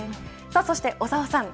そして、小澤さん